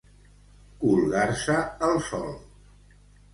Colgar-se el sol.